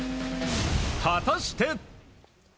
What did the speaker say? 果たして。